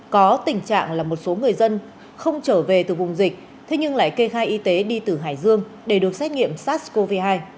có tình trạng là một số người dân không trở về từ vùng dịch thế nhưng lại kê khai y tế đi từ hải dương để được xét nghiệm sars cov hai